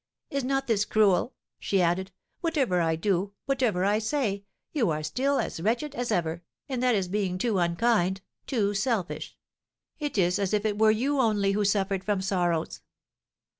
"Is not this cruel?" she added; "whatever I do, whatever I say, you are still as wretched as ever, and that is being too unkind too selfish; it is as if it were you only who suffered from sorrows!"